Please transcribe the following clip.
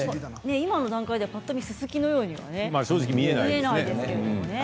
今の段階でぱっと見ススキのようには見えないですけどね。